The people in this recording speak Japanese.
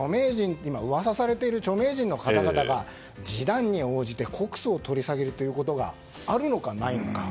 今噂されている著名人の方々が示談に応じて告訴を取り下げるということがあるのか、ないのか。